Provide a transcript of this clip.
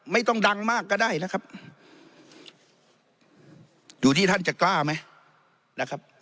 ไม่ต้องดังมากก็ได้นะครับอยู่ที่ท่านจะกล้าไหมนะครับ